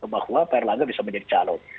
bahwa pak erlangga bisa menjadi calon